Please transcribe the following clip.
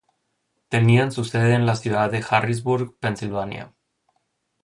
Tenían su sede en la ciudad de Harrisburg, Pensilvania.